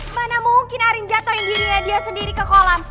mana mungkin arin jatohin dirinya dia sendiri ke kolam